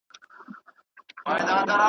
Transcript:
ستا د خوبونو نازولي عطر .